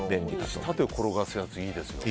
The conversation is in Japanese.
舌で転がすやつ、いいですよね。